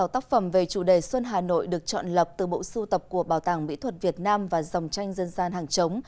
sáu mươi tác phẩm về chủ đề xuân hà nội được chọn lập từ bộ sưu tập của bảo tàng mỹ thuật việt nam và dòng tranh dân gian hàng chống